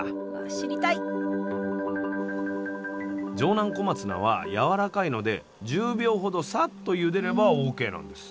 スタジオ城南小松菜はやわらかいので１０秒ほどさっとゆでればＯＫなんです。